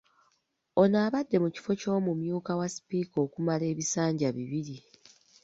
Ono abadde ku kifo ky’omumyuka wa Sipiika okumala ebisanja bibiri.